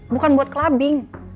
bukan buat clubing